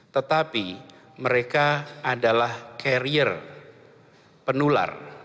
tetapi mereka adalah carrier penular